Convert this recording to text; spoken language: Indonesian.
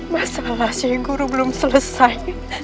masalah si guru belum selesai